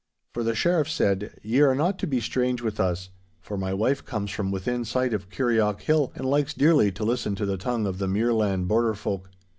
For the Sheriff said, 'Ye are not to be strange with us—for my wife comes from within sight of Kirrieoch Hill, and likes dearly to listen to the tongue of the muirland border folk.